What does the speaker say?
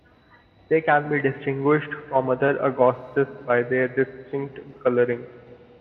They can be distinguished from other agoutis by their distinct coloring.